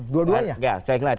dua duanya ya saya lihat